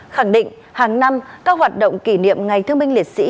khẳng định hàng năm các hoạt động kỷ niệm ngày thương binh liệt sĩ